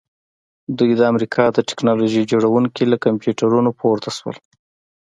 دوی د امریکا د ټیکنالوژۍ جوړونکي له کمپیوټرونو پورته شول